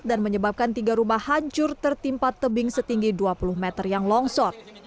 dan menyebabkan tiga rumah hancur tertimpa tebing setinggi dua puluh meter yang longsor